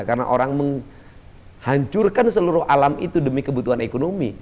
karena orang menghancurkan seluruh alam itu demi kebutuhan ekonomi